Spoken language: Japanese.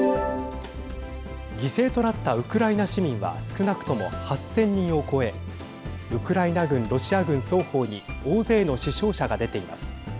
犠牲となったウクライナ市民は少なくとも８０００人を超えウクライナ軍、ロシア軍双方に大勢の死傷者が出ています。